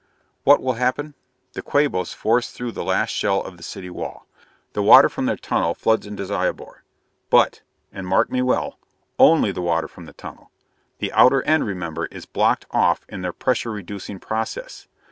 "What will happen? The Quabos force through the last shell of the city wall. The water from their tunnel floods into Zyobor. But and mark me well only the water from the tunnel! The outer end, remember, is blocked off in their pressure reducing process.